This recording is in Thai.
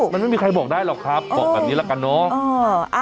มันไม่มีใครบอกได้หรอกครับบอกแบบนี้ละกันเนาะ